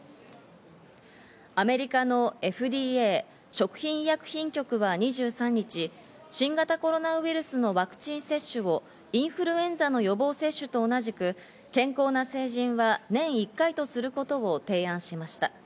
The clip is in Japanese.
アメリカのＦＤＡ＝食品医薬品局は２３日、新型コロナウイルスのワクチン接種をインフルエンザの予防接種と同じく健康な成人は年１回とすることを提案しました。